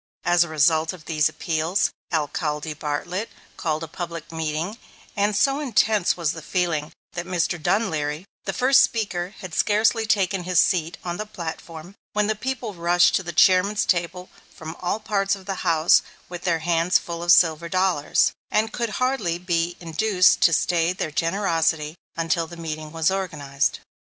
As a result of these appeals, Alcalde Bartlett called a public meeting; and so intense was the feeling that Mr. Dunleary, "the first speaker, had scarcely taken his seat on the platform when the people rushed to the chairman's table from all parts of the house with their hands full of silver dollars," and could hardly be induced to stay their generosity until the meeting was organized.